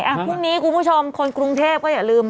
ใช่คลุมนี้กลุ่มผู้ชมคนกรุงเทพก็อย่าลืม